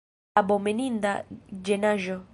Abomeninda ĝenaĵo!